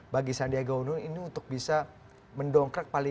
bagi sandiaga uno ini untuk bisa mendongkrak